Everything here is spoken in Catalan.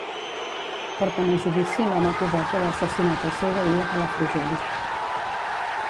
Porten a judici l'home acusat d'haver assassinat el seu veí a Palafrugell.